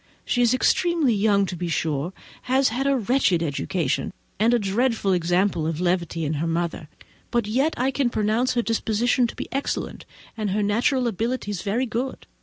She is extremely young, to be sure, has had a wretched education, and a dreadful example of levity in her mother; but yet I can pronounce her disposition to be excellent, and her natural abilities very good.